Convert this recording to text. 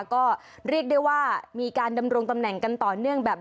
ก็เรียกได้ว่ามีการดำรงตำแหน่งกันต่อเนื่องแบบ